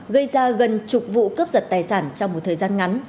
gây ra gần chục vụ cướp giật tài sản trong một thời gian ngắn